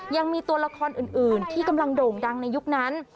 ยังมีตัวละครอื่นที่กำลังโด่งดังในยุคนั้น